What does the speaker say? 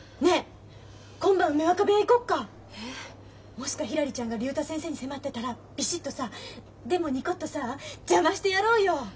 もしかひらりちゃんが竜太先生に迫ってたらビシッとさでもニコッとさ邪魔してやろうよ。